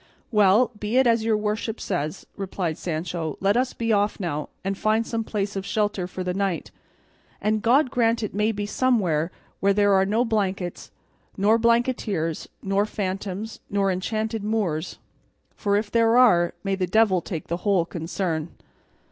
"Well, be it as your worship says," replied Sancho; "let us be off now and find some place of shelter for the night, and God grant it may be somewhere where there are no blankets, nor blanketeers, nor phantoms, nor enchanted Moors; for if there are, may the devil take the whole concern."